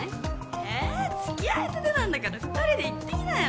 え付き合いたてなんだから２人で行ってきなよ